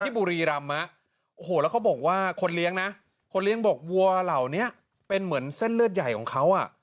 พี่บุรีรำแล้วเขาบอกว่าคนเลี้ยงบอกวัวเหล่านี้เป็นเหมือนเส้นเลือดใหญ่ของเขา